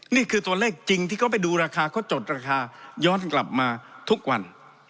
นี่คือตัวเลขจริงที่เขาไปดูราคาเขาจดราคาย้อนกลับมาทุกวัน